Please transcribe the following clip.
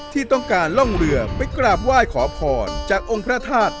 ที่ต้องการล่องเรือไปกราบไหว้ขอพรจากองค์พระธาตุ